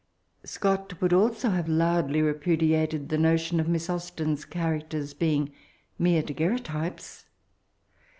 Scott would also have loudly repudiated the notion of Miss Aus ten's characters being mere daguerre otypes."